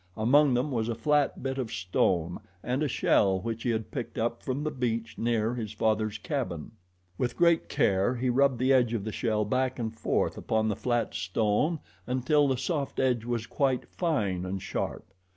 Among them was a flat bit of stone and a shell which he had picked up from the beach near his father's cabin. With great care he rubbed the edge of the shell back and forth upon the flat stone until the soft edge was quite fine and sharp.